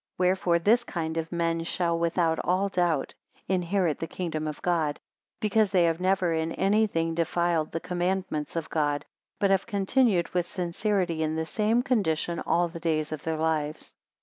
245 Wherefore this kind of men shall without all doubt inherit the kingdom of God; because they have never in any thing defiled the commandments of God, but have continued with sincerity in the same condition all the days of their lives.